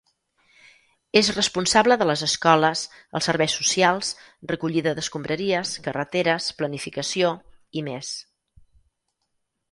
És responsable de les escoles, els serveis socials, recollida d'escombraries, carreteres, planificació i més.